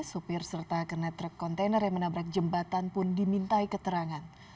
sopir serta kernetrek kontainer yang menabrak jembatan pun dimintai keterangan